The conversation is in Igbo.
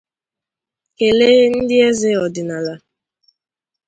kelee ndị eze ọdịnala